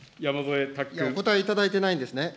お答えいただいてないんですね。